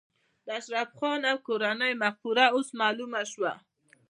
د اشرف خان او کورنۍ مفکوره اوس معلومه شوه